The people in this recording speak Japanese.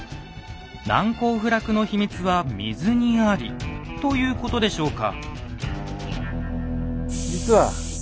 「難攻不落の秘密は水にあり」ということでしょうか？